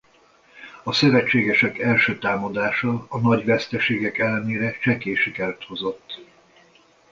A szövetségesek első támadása a nagy veszteségek ellenére csekély sikert hozott.